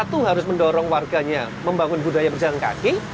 pemerintah tidak berhasil mendorong warganya membangun budaya berjalan kaki